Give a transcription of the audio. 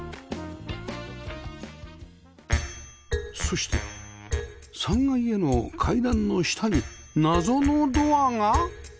そして３階への階段の下に謎のドアが